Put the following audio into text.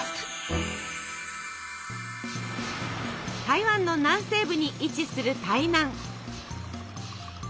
台湾の南西部に位置する台南。